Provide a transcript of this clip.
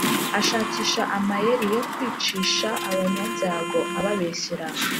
ashakisha amayeri yo kwicisha abanyabyago, ababeshyera,